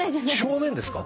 正面ですか？